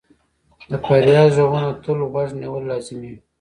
د فریاد ږغونو ته غوږ نیول لازمي وي.